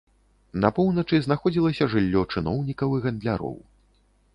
На поўначы знаходзілася жыллё чыноўнікаў і гандляроў.